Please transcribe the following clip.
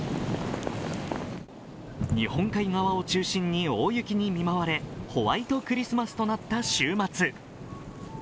日本海側を中心に大雪に見舞われ、ホワイトクリスマスとなった週末。